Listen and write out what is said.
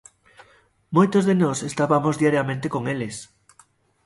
Moitos de nós estabamos diariamente con eles.